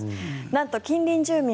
なんと近隣住民